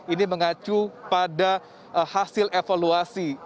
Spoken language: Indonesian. ini mengacu pada hasil evaluasi